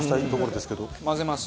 混ぜます。